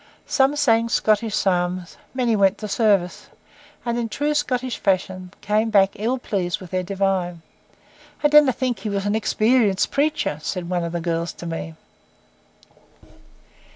Some sang Scottish psalms. Many went to service, and in true Scottish fashion came back ill pleased with their divine. 'I didna think he was an experienced preacher,' said one girl to me.